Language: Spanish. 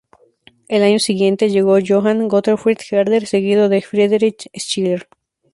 El año siguiente llegó Johann Gottfried Herder, seguido de Friedrich Schiller.